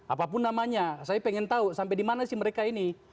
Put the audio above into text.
apapun namanya saya pengen tahu sampai di mana sih mereka ini